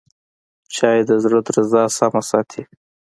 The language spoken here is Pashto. چای د زړه درزا سمه ساتي